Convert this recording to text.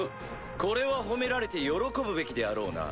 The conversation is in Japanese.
これは褒められて喜ぶべきであろうな。